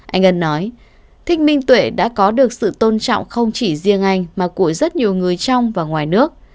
anh ân nói thích minh tuệ đã có được sự tôn trọng không chỉ riêng anh mà của rất nhiều người trong và ngoài nước